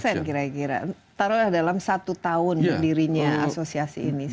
berapa persen kira kira taruhlah dalam satu tahun dirinya asosiasi ini